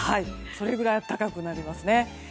それぐらい暖かくなりますね。